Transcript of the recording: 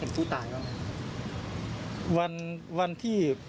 เห็นผู้ตายบ้าง